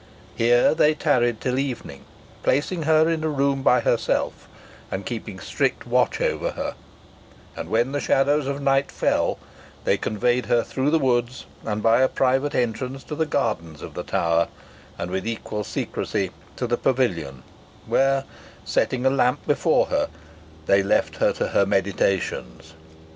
Here they tarried till evening, placing her in a room by herself, and keeping strict watch over her; and when the shadows of night fell, they conveyed her through the woods, and by a private entrance to the gardens of the Tower, and with equal secresy to the pavilion, where, setting a lamp before her, they left her to her meditations.